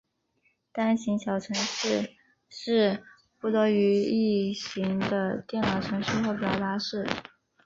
单行小程式是不多于一行的电脑程序或表达式。